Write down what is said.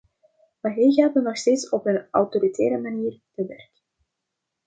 Maar hij gaat nog steeds op een autoritaire manier te werk.